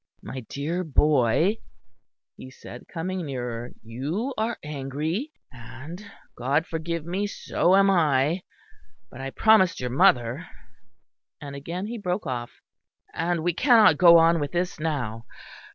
My dear boy," he said, coming nearer, "you are angry; and, God forgive me! so am I; but I promised your mother," and again he broke off, "and we cannot go on with this now.